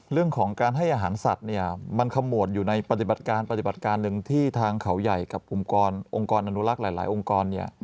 เรื่องของการให้อาหารสัตว์มันขมวดอยู่ในปฏิบัติการปฏิบัติการหนึ่งที่ทางเขาใหญ่กับองค์กรอนุรักษ์หลายองค์กร